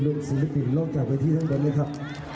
เป็นลูกศิลปินล่วงจากเวทีเท่ากันนะครับ